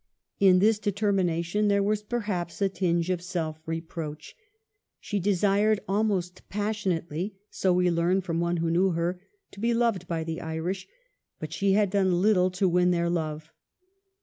In this determination there was perhaps a tinge of self reproach. " She desired almost passionately," so we learn from one who knew her, " to be loved by the Irish," * but she had done little to win their love.